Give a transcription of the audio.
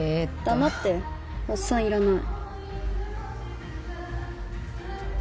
黙っておっさんいらない。